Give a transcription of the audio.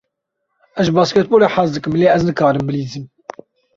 Ez ji basketbolê hez dikim, lê ez nikarim bilîzim.